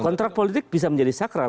kontrak politik bisa menjadi sakral